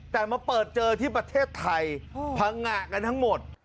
แต่มาเปิดเจอที่ประเทศไทยพังงะกันทั้งหมด